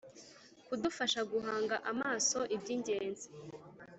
kudufasha guhanga amaso ibyingenzi